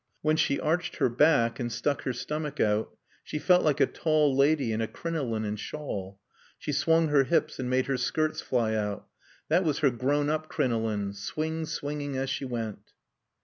When she arched her back and stuck her stomach out she felt like a tall lady in a crinoline and shawl. She swung her hips and made her skirts fly out. That was her grown up crinoline, swing swinging as she went.